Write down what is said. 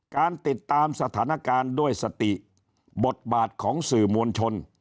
การติดตามสถานการณ์ด้วยสติบทบาทของสื่อมวลชน